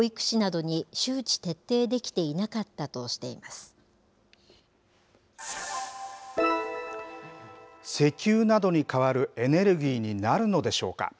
ルールが、保育士などに周知徹底できていなかったとしていま石油などに代わるエネルギーになるのでしょうか。